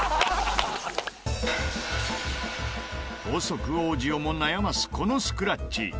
「」法則王子をも悩ますこのスクラッチ。